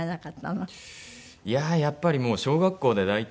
いやあやっぱりもう小学校で大体。